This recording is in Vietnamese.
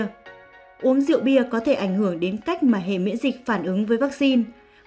uống rượu bia có thể ảnh hưởng đến cách mà hệ miễn dịch phản ứng với vaccine